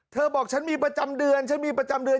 บอกฉันมีประจำเดือนฉันมีประจำเดือน